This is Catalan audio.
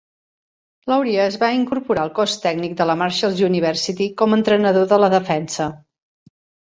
Loria es va incorporar al cos tècnic de la Marshall University com a entrenador de la defensa.